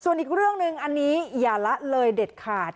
ส่วนอีกเรื่องหนึ่งอันนี้อย่าละเลยเด็ดขาด